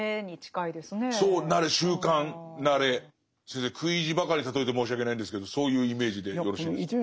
先生食い意地ばかり例えて申し訳ないんですけどそういうイメージでよろしいですか？